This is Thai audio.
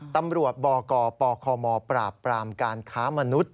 ตำรวจบกปคมปราบปรามการค้ามนุษย